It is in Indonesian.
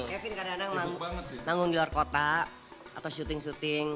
ya vin kadang kadang manggung di luar kota atau syuting syuting